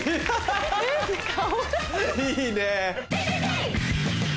いいねぇ。